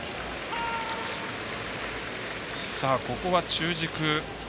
ここは、中軸。